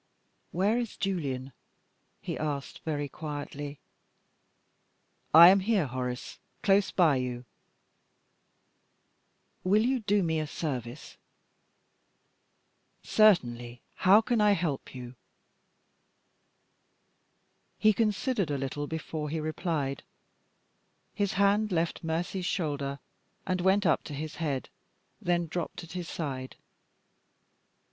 "Where is Julian?" he asked, very quietly. "I am here, Horace close by you." "Will you do me a service?" "Certainly. How can I help you?" He considered a little before he replied. His hand left Mercy's shoulder, and went up to his head then dropped at his side.